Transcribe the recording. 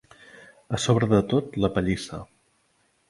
A sobre de tot la pellissa